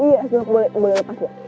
iya boleh lepas ya